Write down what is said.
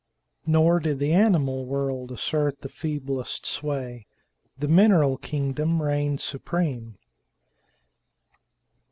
Nor did the animal world assert the feeblest sway. The mineral kingdom reigned supreme.